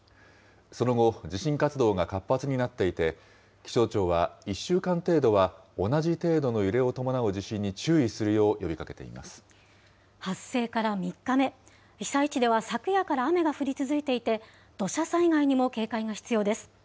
その後、地震活動が活発になっていて、気象庁は１週間程度は同じ程度の揺れを伴う地震に注意するよう呼発生から３日目、被災地では昨夜から雨が降り続いていて、土砂災害にも警戒が必要です。